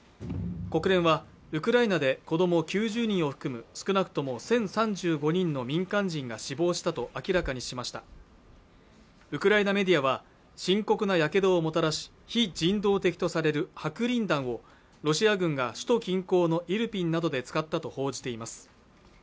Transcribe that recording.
国連はウクライナで子ども９０人を含む少なくとも１０３５人の民間人が死亡したと明らかにしましたウクライナメディアは深刻な火傷をもたらす非人道的とされる白リン弾をロシア軍が首都近郊のイルピンなどで使ったと報じています